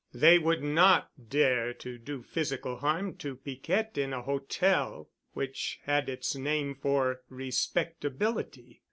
They would not dare to do physical harm to Piquette in a hotel, which had its name for respectability.